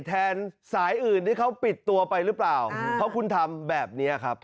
สายอื่นที่เขาปิดตัวไปหรือเปล่าเพราะคุณทำแบบนี้ครับ